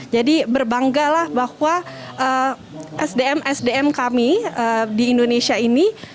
jadi berbangga bahwa sdm sdm kami di indonesia ini